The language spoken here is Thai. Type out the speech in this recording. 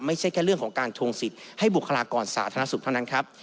ไม่ใช่แค่เรื่องของการทวงสิทธิ์ให้บุคลากรสาธารณสุขเท่านั้นครับ